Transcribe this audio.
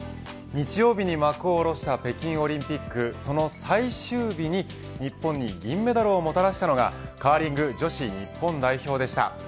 日曜日に幕を下ろした北京オリンピックその最終日に日本に銀メダルをもたらしたのがカーリング女子日本代表でした。